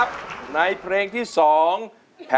ใช่ค่ะ